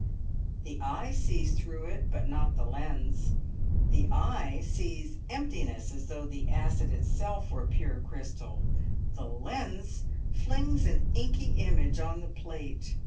The eye sees through it, but not the lens. The eye sees emptiness as though the acid itself were pure crystal; the lens flings an inky image on the plate.